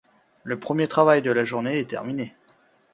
Le premier travail de la journée est terminé.